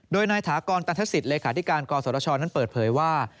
โดยนายถากรตันทศิษย์เลขาธิการกศชนั้นเปิดเผยว่า